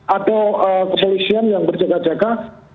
atau kepolisian yang berjaga jaga